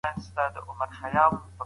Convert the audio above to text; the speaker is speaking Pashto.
تو لعنت په دې شملو شه لا دي جګې نه شرمېږي